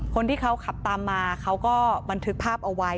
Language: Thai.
คนที่เขาขับตามมาเขาก็บันทึกภาพเอาไว้